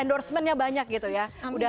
endorsemennya banyak gitu ya